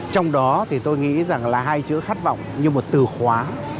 trong đó tôi nghĩ là hai chữ khát vọng như một từ khóa